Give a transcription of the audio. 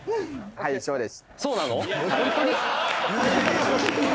「はいそうです」？